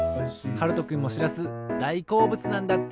はるとくんもしらすだいこうぶつなんだって。